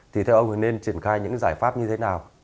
thì theo ông thì nên triển khai những giải pháp như thế nào